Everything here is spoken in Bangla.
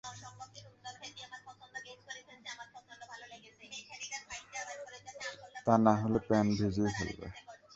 তা না হলে প্যান্ট ভিজিয়ে ফেলবে!